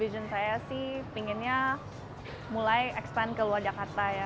tujuan saya sih pinginnya mulai expand ke luar jakarta ya